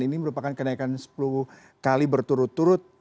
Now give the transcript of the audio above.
ini merupakan kenaikan sepuluh kali berturut turut